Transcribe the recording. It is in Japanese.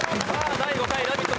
第５回「ラヴィット！